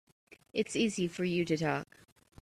It's easy for you to talk.